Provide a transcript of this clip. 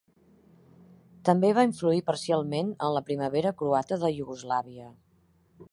També va influir parcialment en la primavera croata de Iugoslàvia.